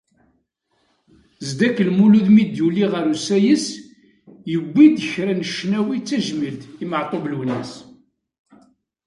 Zeddek Mulud mi d-yuli ɣer usayes, yewwi-d kra n ccnawi d tajmilt i Meɛtub Lwennas.